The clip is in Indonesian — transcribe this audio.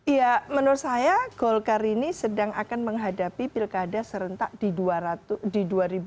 ya menurut saya golkar ini sedang akan menghadapi pilkada serentak di dua ribu dua puluh